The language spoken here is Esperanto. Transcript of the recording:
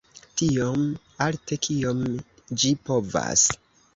Tiom alte, kiom ĝi povas.